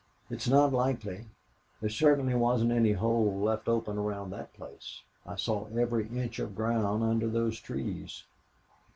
"It's not likely. There certainly wasn't any hole left open around that place. I saw every inch of ground under those trees....